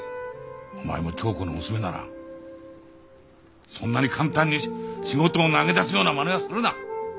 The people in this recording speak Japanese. お前も響子の娘ならそんなに簡単に仕事を投げ出すようなまねはするな！